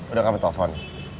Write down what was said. udah kamer telepon